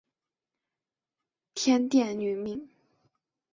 天钿女命。